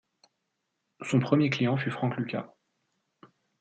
Son premier client fut Frank Lucas.